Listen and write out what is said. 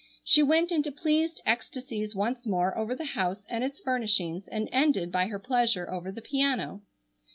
She went into pleased ecstasies once more over the house, and its furnishings, and ended by her pleasure over the piano.